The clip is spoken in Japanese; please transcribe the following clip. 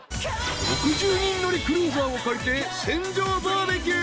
［６０人乗りクルーザーを借りて船上バーベキュー］